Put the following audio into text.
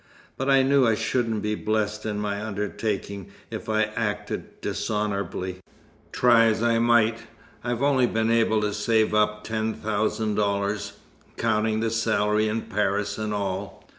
But I knew I shouldn't be blessed in my undertaking if I acted dishonourably. Try as I might, I've only been able to save up ten thousand dollars, counting the salary in Paris and all.